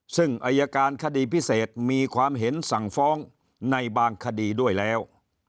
ซึ่งอายการคดีพิเศษมีความเห็นสั่งฟ้องในบางคดีด้วยแล้ว